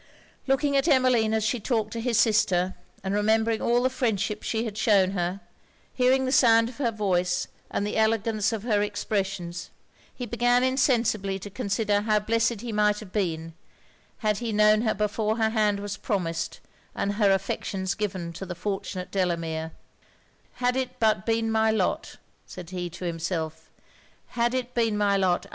Looking at Emmeline as she talked to his sister, and remembering all the friendship she had shewn her, hearing the sound of her voice and the elegance of her expressions, he began insensibly to consider how blessed he might have been, had he known her before her hand was promised and her affections given to the fortunate Delamere. 'Had it but been my lot!' said he to himself 'had it been my lot!